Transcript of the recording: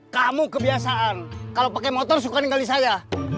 kamu kebiasaan kalau pakai motor suka ninggalin saya